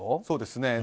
そうですね。